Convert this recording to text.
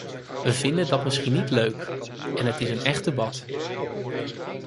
We vinden dat misschien niet leuk, en het is een echt debat.